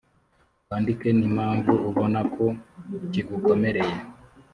wandike n impamvu ubona ko kigukomereye